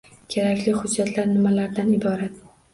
Kerakli hujjatlar nimalardan iborat?